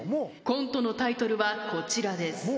コントのタイトルはこちらです。